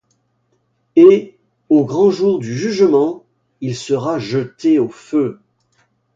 Et au grand jour du jugement il sera jeté au feu.